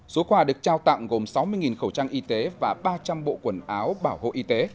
số quà được trao tặng gồm sáu mươi khẩu trang y tế và ba trăm linh bộ quần áo bảo hộ y tế